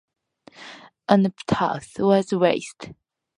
An epitaph was raised.